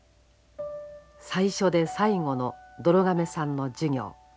最初で最後のどろ亀さんの授業。